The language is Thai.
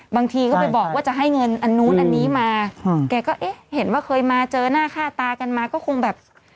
บางทีก็ไปบอกว่าจะให้เงินอันนู้นอันนี้มาแกก็เอ๊ะเห็นว่าเคยมาเจอหน้าค่าตากันมาก็คงแบบ